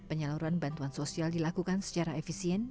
penyaluran bantuan sosial dilakukan secara efisien